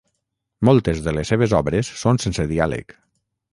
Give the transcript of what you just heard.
Moltes de les seves obres són sense diàleg.